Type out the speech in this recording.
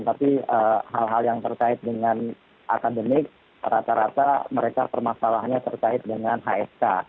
tapi hal hal yang terkait dengan akademik rata rata mereka permasalahannya terkait dengan hsk